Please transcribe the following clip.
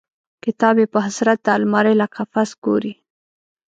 کتاب یې په حسرت د المارۍ له قفس ګوري